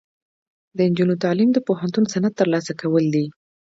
د نجونو تعلیم د پوهنتون سند ترلاسه کول دي.